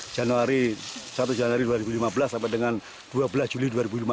januari satu januari dua ribu lima belas sampai dengan dua belas juli dua ribu lima belas